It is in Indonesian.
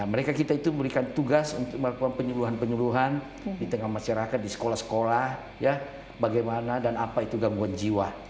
mereka kita itu memberikan tugas untuk melakukan penyeluhan penyuluhan di tengah masyarakat di sekolah sekolah bagaimana dan apa itu gangguan jiwa